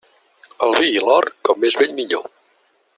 El vi i l'or, com més vell millor.